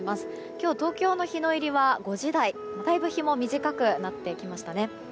今日、東京の日の入りは５時台だいぶ日も短くなってきましたね。